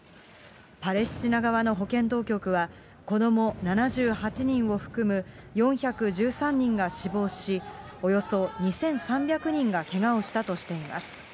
パレスチナ側の保健当局は、子ども７８人を含む４１３人が死亡し、およそ２３００人がけがをしたとしています。